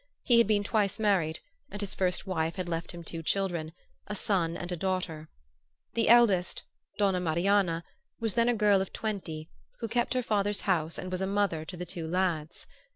He had been twice married, and his first wife had left him two children, a son and a daughter. The eldest, Donna Marianna, was then a girl of twenty, who kept her father's house and was a mother to the two lads.